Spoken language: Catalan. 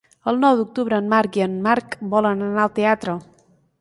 El nou d'octubre en Marc i en Marc volen anar al teatre.